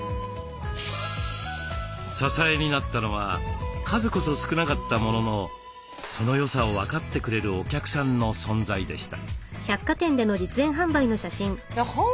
支えになったのは数こそ少なかったもののそのよさを分かってくれるお客さんの存在でした。